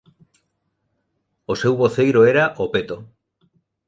O seu voceiro era ""O Peto"".